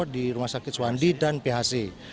di rumah sakit suwandi dan phc